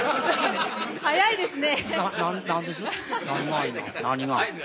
早いですね。